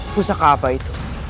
pusaka apa itu